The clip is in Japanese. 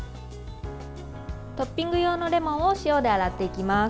トッピング用のレモンを塩で洗っていきます。